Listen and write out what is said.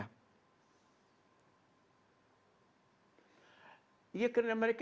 apa yang kemudian membuat tempat tempat seperti ini bisa ikut terpapar gitu bu ya